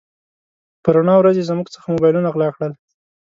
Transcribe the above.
په رڼا ورځ يې زموږ څخه موبایلونه غلا کړل.